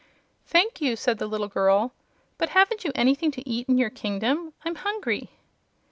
"Thank you," said the little girl. "But haven't you anything to eat in your kingdom? I'm hungry."